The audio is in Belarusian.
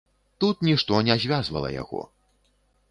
Тут нішто не звязвала яго.